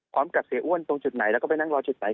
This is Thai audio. เสียอ้วนตรงจุดไหนแล้วก็ไปนั่งรอจุดไหน